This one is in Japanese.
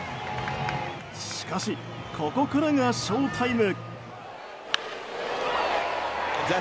しかしここからがショウタイム。